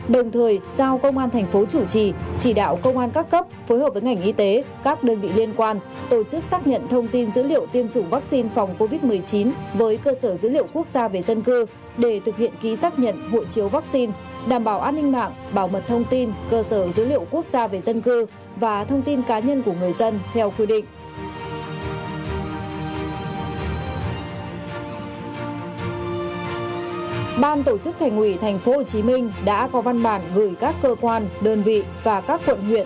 đồng thời giao công an thành phố chủ trì chỉ đạo công an các cấp phối hợp với ngành y tế các đơn vị liên quan tổ chức xác nhận thông tin dữ liệu tiêm chủng vaccine phòng covid một mươi chín với cơ sở dữ liệu quốc gia về dân cư để thực hiện ký xác nhận hội chiếu vaccine đảm bảo an ninh mạng bảo mật thông tin cơ sở dữ liệu quốc gia về dân cư và thông tin cá nhân của người dân theo quy định